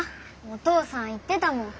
お父さん言ってたもん。